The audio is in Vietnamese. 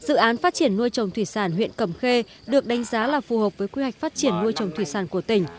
dự án phát triển nuôi trồng thủy sản huyện cầm khê được đánh giá là phù hợp với quy hoạch phát triển nuôi trồng thủy sản của tỉnh